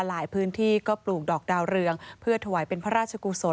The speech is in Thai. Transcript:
หลายพื้นที่ก็ปลูกดอกดาวเรืองเพื่อถวายเป็นพระราชกุศล